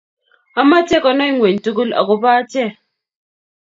amache konay ngweny tugul agoba ache